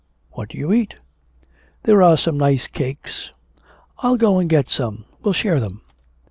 'What do you eat?' 'There are some nice cakes. I'll go and get some; we'll share them.'